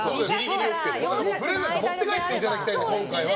プレゼント持って帰っていただきたい、今回は。